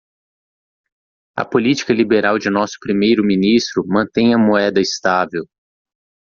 A política liberal de nosso primeiro ministro mantém a moeda estável.